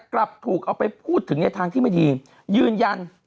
จับเข้าไปขังต่อด้วย